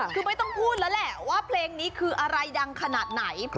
คือไม่ต้องพูดแล้วแหละว่าเพลงนี้คืออะไรดังขนาดไหน